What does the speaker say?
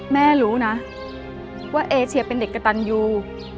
แม่รู้นะว่าเอเชียเป็นเด็กกระตันยู